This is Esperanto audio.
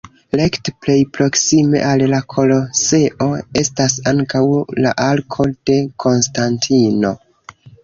Rekte plej proksime al la Koloseo estas ankaŭ la Arko de Konstantino.